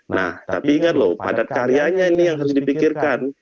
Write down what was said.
nah tapi ingat loh padat karyanya ini yang harus dipikirkan